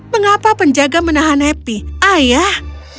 mengapa penjaga menahan happy ayah